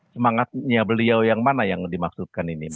semangatnya beliau yang mana yang dimaksudkan ini